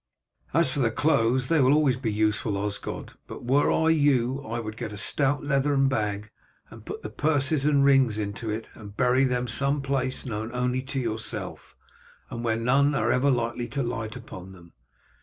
"As for the clothes, they will always be useful, Osgod; but were I you I would get a stout leathern bag and put the purses and rings into it, and bury them in some place known only to yourself, and where none are ever likely to light upon them.